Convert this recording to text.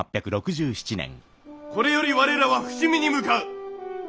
これより我らは伏見に向かう！